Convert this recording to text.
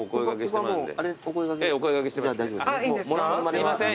すいません